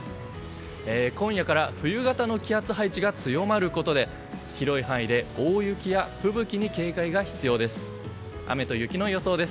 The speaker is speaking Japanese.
今夜から冬型の気圧配置が強まることで広い範囲で大雪や吹雪に警戒が必要です。